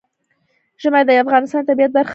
ژمی د افغانستان د طبیعت برخه ده.